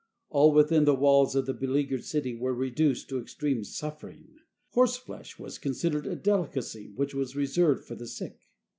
All within the walls of the beleaguered city were reduced to extreme suffering. Horseflesh was considered a delicacy which was reserved for the sick.